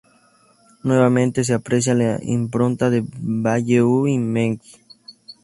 Nuevamente se aprecia la impronta de Bayeu y Mengs.